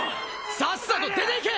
さっさと出て行け！